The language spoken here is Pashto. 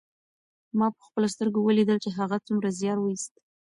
ما په خپلو سترګو ولیدل چې هغه څومره زیار ویوست.